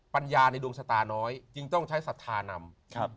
ปัญญาในดวงชะตาน้อยจึงต้องใช้ศรัทธานำ